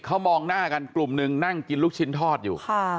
เขามองหน้ากันกลุ่มนึงนั่งกินลูกชิ้นทอดอยู่